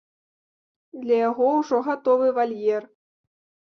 Для яго ўжо гатовы вальер.